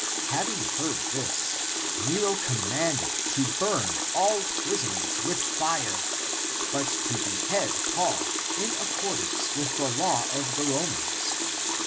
Having heard this, Nero commanded to burn all prisoners with fire, but to behead Paul in accordance with the law of the Romans.